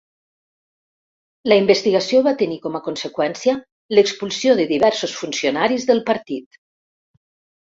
La investigació va tenir com a conseqüència l'expulsió de diversos funcionaris del partit.